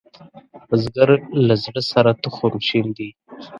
بزګر له زړۀ سره تخم شیندي